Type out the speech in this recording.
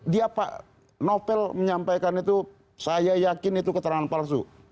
dia pak novel menyampaikan itu saya yakin itu keterangan palsu